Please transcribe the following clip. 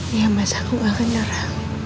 iya masa aku akan nyara